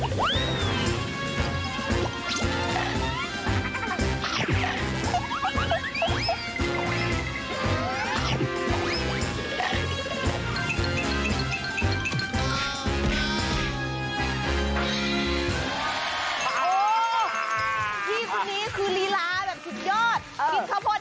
ที่สุดนี้คือลีลาแบบสุดยอด